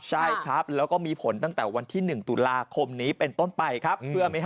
ใช่ครับแล้วก็มีผลตั้งแต่วันที่๑ตุลาคมนี้เป็นต้นไปครับเพื่อไหมฮะ